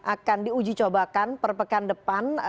akan diuji cobakan per pekan depan